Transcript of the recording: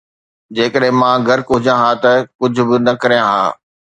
جيڪڏهن مان غرق هجان ها ته ڪجهه به نه ڪريان ها